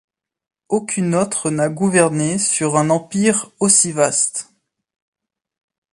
Aucune autre n’a gouverné sur un empire aussi vaste.